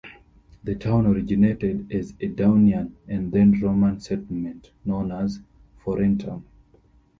The town originated as a Daunian and then Roman settlement, known as Forentum.